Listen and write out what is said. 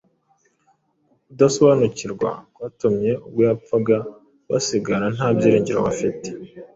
Uku kudasobanukirwa kwatumye ubwo yapfaga basigara nta byiringiro bafite.